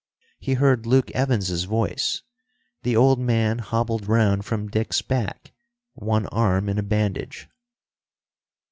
He heard Luke Evans's voice. The old man hobbled round from Dick's back, one arm in a bandage.